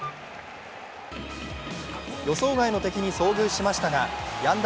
予想外の敵に遭遇しましたがやんだ